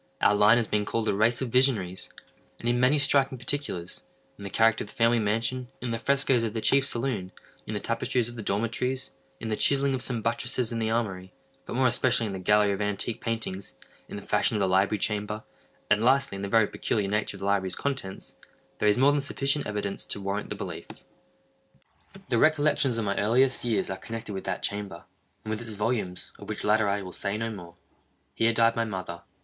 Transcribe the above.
Our line has been called a race of visionaries; and in many striking particulars—in the character of the family mansion—in the frescos of the chief saloon—in the tapestries of the dormitories—in the chiselling of some buttresses in the armory—but more especially in the gallery of antique paintings—in the fashion of the library chamber—and, lastly, in the very peculiar nature of the library's contents—there is more than sufficient evidence to warrant the belief. The recollections of my earliest years are connected with that chamber, and with its volumes—of which latter I will say no more. Here died my mother.